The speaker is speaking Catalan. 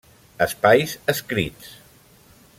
Espais Escrits.